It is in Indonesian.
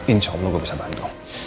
insya allah gue bisa bantu